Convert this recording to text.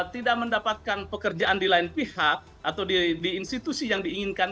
tidak mendapatkan pekerjaan di lain pihak atau di institusi yang diinginkan